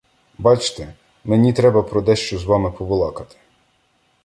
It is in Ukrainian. — Бачте, мені треба про дещо з вами побалакати.